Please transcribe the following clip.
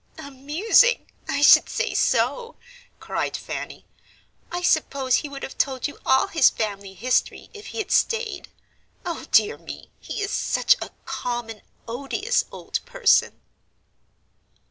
"Amusing! I should say so!" cried Fanny. "I suppose he would have told you all his family history if he had stayed. O dear me, he is such a common, odious old person."